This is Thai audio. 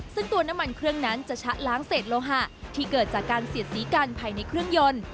ซึ่งตัวน้ำมันเครื่องนั้นจะชะล้างเศษโลหะที่เกิดจากการเสียดสีกันภายในเครื่องยนต์